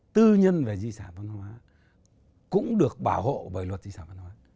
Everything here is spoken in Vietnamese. tư nhân về di sản văn hóa cũng được bảo hộ bởi luật di sản văn hóa